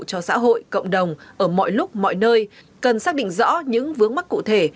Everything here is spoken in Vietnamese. cho xã hội cộng đồng ở mọi lúc mọi nơi cần xác định rõ những vướng mắc cụ thể